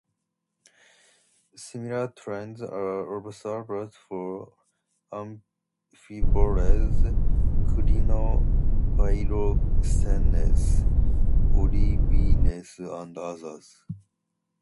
Similar trends are observed for amphiboles, clinopyroxenes, olivines', and others.